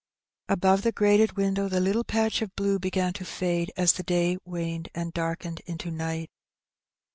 Above the grated window the little patch of blue began to fade as the day waned and darkened into night.